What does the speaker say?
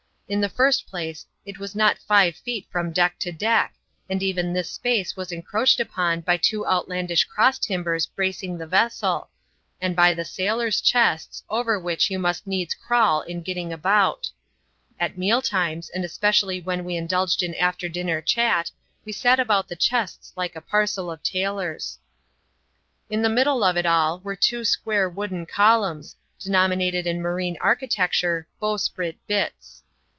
In the first place, it was not ^ye feet from deck to deck, and even this space was encroached upon by two outlandish cross timbers bracing the vessel, and by the sailors' chests; over which you must need& craNA. m ^^\)axis^ D 3 38 ADVENTURES IN THE SOUTH SEAS. [chap. x. about. At meal times, and especially when we indulged in after dinner chat, we sat about the chests like a parcel of tailors. In the middle of all, were two square wooden columns, de nominated in marine architecture "Bowsprit Bitts."